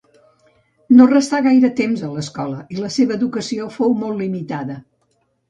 No restà gaire temps a escola i la seva educació fou molt limitada.